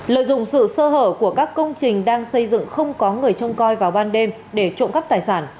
lợi dụng sự sơ hở của các công trình đang xây dựng không có người trông coi vào ban đêm để trộm cắp tài sản